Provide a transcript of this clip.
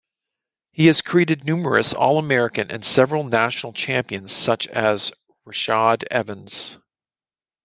He has created numerous All-Americans and several National Champions such as Rashad Evans.